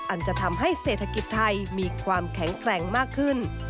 อาจจะทำให้เศรษฐกิจไทยมีความแข็งแกร่งมากขึ้น